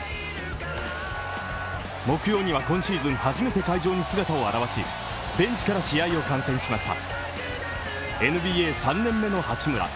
木曜には今シーズン初めて会場に姿を現しベンチから試合を観戦しました。